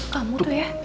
kamu tuh ya